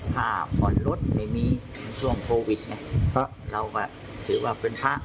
ผ่านลดไม่มีช่วงโควิดไงแล้วก็ถือว่าเป็นภรรย์